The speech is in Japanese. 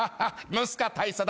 ムスカ大佐だ。